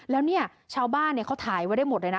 แล้วเนี่ยชาวบ้านเขาถ่ายไว้ได้หมดเลยนะ